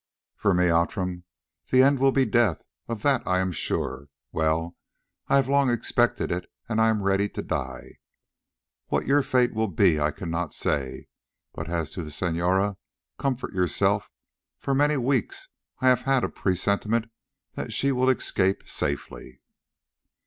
"For me, Outram, the end will be death, of that I am sure; well, I have long expected it, and I am ready to die. What your fate will be I cannot say; but as to the Senora, comfort yourself; for many weeks I have had a presentiment that she will escape safely."